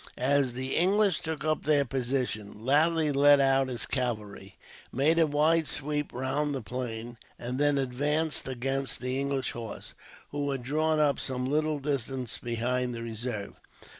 As the English took up their position, Lally led out his cavalry, made a wide sweep round the plain, and then advanced against the English horse, who were drawn up some little distance behind the reserve.